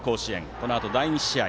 このあと第２試合